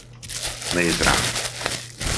Nézz rám.